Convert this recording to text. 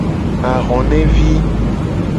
Ahonevi.